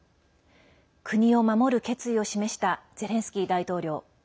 国を守る決意を示したゼレンスキー大統領。